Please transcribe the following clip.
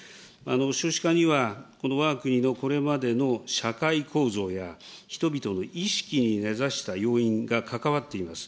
少子化にはこのわが国のこれまでの社会構造や人々の意識に根ざした要因が関わっています。